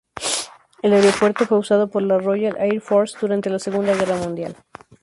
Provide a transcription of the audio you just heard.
El aeropuerto fue usado por la Royal Air Force durante la Segunda Guerra Mundial.